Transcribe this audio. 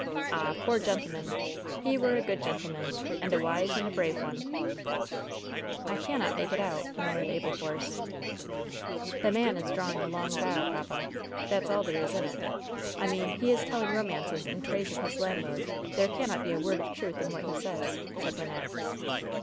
Ah, poor gentleman ! He were a good gentleman, and a wise and a brave one !" "I cannot make it out," murmured Abel Force. ''The man is drawing a long bow, papa ! that's all there is in it — I mean he is telling romances in praise of his landlord. There cannot be a word of truth in what he says," said Wynnette.